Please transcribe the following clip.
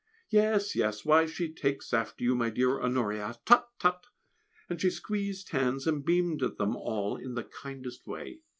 "Yes, yes; why, she takes after you, my dear Honoria, tut, tut!" and she squeezed hands, and beamed at them all in the kindest way.